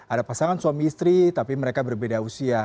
ada pasangan suami istri tapi mereka berbeda usia